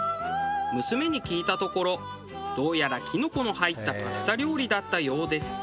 娘に聞いたところどうやらキノコの入ったパスタ料理だったようです。